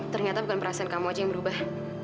ternyata bukan perasaan kamu aja yang berubah